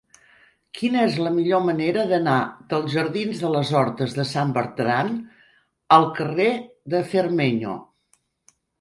Quina és la millor manera d'anar dels jardins de les Hortes de Sant Bertran al carrer de Cermeño?